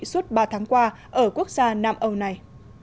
suốt ba tháng qua ở quốc gia nam âu này